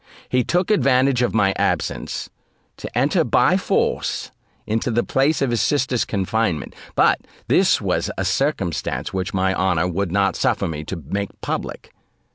He took advantage of my absence, to enter by force into the place of his sister's confinement; but this was a circumstance which my honour would not suffer me to make public.